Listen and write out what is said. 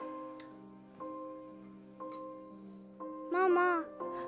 ママ。